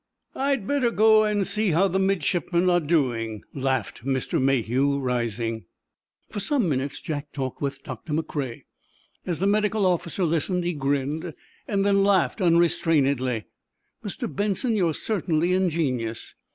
"I'd better go and see how the midshipmen are doing," laughed Mr. Mayhew, rising. For some minutes Jack talked with Doctor McCrea. As the medical officer listened, he grinned, then laughed unrestrainedly. "Mr. Benson, you're certainly ingenious!"